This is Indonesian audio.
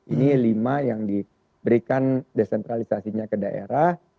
ini lima yang diberikan desentralisasinya ke daerah